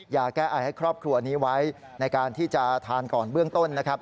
ยาแก้ไอให้ครอบครัวนี้ไว้ในการที่จะทานก่อนเบื้องต้นนะครับ